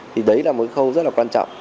thì đấy là một khâu rất là quan trọng